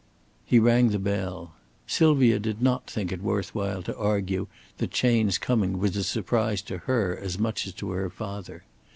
He rang the bell. Sylvia did not think it worth while to argue that Chayne's coming was a surprise to her as much as to her father.